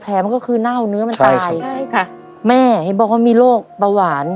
แผ่มันก็คือเน่าเนื้อมันตายใช่ค่ะใช่ค่ะแม่ให้บอกว่ามีโรคปะหวาน